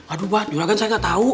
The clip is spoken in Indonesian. aduh joragan saya gak tau